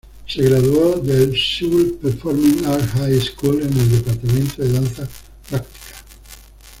Se graduó del "Seoul Performing Arts High School" en el departamento de danza práctica.